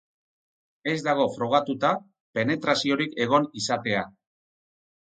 Ez dago frogatuta penetraziorik egon izatea.